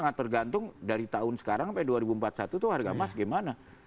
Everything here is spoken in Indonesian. nah tergantung dari tahun sekarang sampai dua ribu empat puluh satu itu harga emas gimana